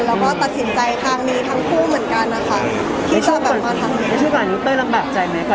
แล้วก็ตัดสินใจทางนี้ทั้งคู่เหมือนกันนะคะที่จะแบบว่าทั้งนี้ไม่ช่วงตอนนี้เต้ยลำแบบใจไหมค่ะ